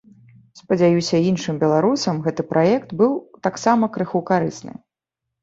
Спадзяюся, іншым беларусам гэты праект быў таксама крыху карысны.